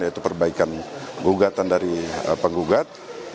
yaitu perbaikan gugatan dari penggugat